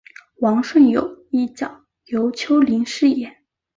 王顺友一角由邱林饰演。